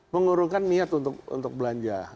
mengurungkan niat untuk belanja